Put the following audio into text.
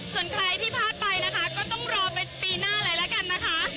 ส่วนใครที่พลาดไปนะคะก็ต้องรอเป็นปีหน้าเลยละกันนะคะ